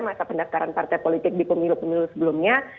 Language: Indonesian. masa pendaftaran partai politik di pemilu pemilu sebelumnya